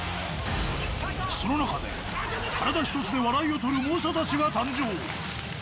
その中で、体一つで笑いを取る、猛者たちが誕生。